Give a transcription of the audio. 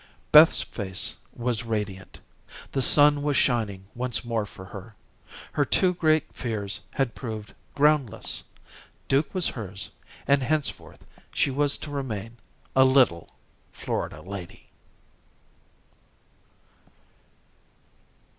Beth's face was radiant. The sun was shining once more for her. Her two great fears had proved groundless. Duke was hers, and henceforth she was to remain A Little Florida Lady.